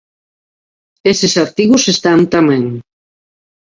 Eses artigos están tamén.